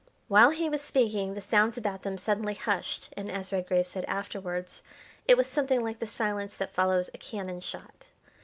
While he was speaking the sounds about them suddenly hushed, and, as Redgrave said afterwards, it was something like the silence that follows a cannon shot.